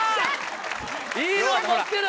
いいもん持ってる。